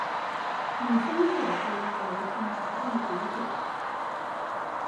乳香酒被认为是马其顿的国酒。